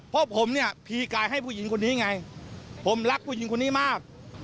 เพราะผมเนี่ยพีกายให้ผู้หญิงคนนี้ไงผมรักผู้หญิงคนนี้มาก